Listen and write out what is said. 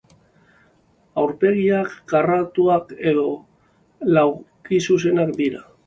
Aurpegiak karratuak edo laukizuzenak dira.